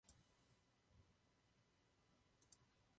Zmařená příležitost!